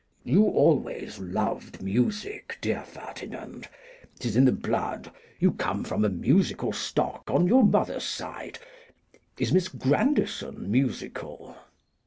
'You always loved music, dear Ferdinand; 'tis in the blood. You come from a musical stock on your mother's side. Is Miss Grandison musical?